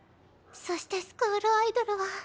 そしてスクールアイドルは。